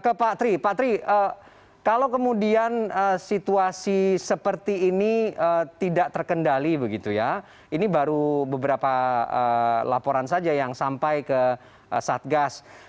ke pak tri pak tri kalau kemudian situasi seperti ini tidak terkendali begitu ya ini baru beberapa laporan saja yang sampai ke satgas